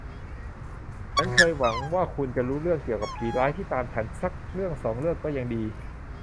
ฉันเคยหวังว่าคุณจะรู้เรื่องเกี่ยวกับผีร้ายที่ตามฉัน สักเรื่องสองเรื่องก็ยังดี